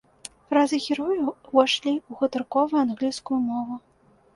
Фразы герояў ўвайшлі ў гутарковую англійскую мову.